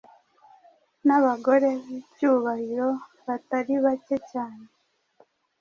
n’abagore b’icyubahiro batari bake cyane